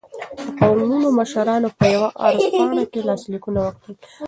د قومونو مشرانو په یوه عرض پاڼه کې لاسلیکونه وکړل.